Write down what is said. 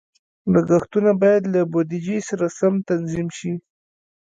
لګښتونه باید له بودیجې سره سم تنظیم شي.